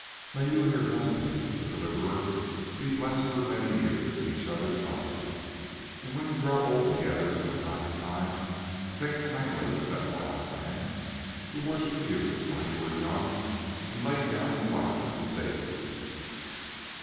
May you and your husband, the Deliverer, be blessed for many years in each other's love, and when you grow old together, from time to time think kindly of that wild man, who worshipped you while you were young and laid down his life to save you."